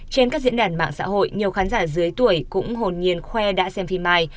trên các diễn đàn mạng xã hội nhiều khán giả dưới tuổi cũng hồn nhiên khoe đã xem phim mai